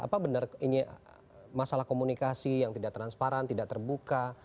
apa benar ini masalah komunikasi yang tidak transparan tidak terbuka